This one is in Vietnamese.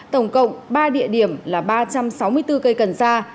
tổng cộng ba địa điểm là ba trăm sáu mươi bốn cây cần sa